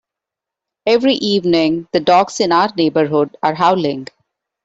Every evening, the dogs in our neighbourhood are howling.